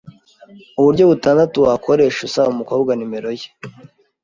Uburyo butandatu wakoresha usaba umukobwa Nimero ye